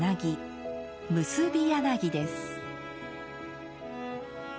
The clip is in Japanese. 結柳です。